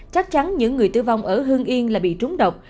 chắc chắn những người tử vong ở hương yên là bị trúng độc